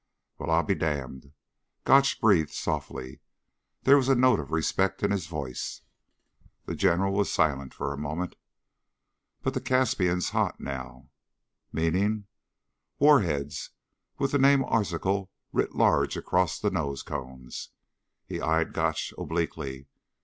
"Well, I'll be damned," Gotch breathed softly. There was a note of respect in his voice. The General was silent for a moment. "But the Caspian's hot now." "Meaning?" "Warheads with the name Arzachel writ large across the nose cones." He eyed Gotch obliquely.